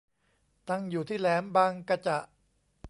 ตั้งอยู่ที่แหลมบางกะจะ